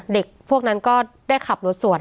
เด็กพวกนั้นก็ได้ขับรถสวน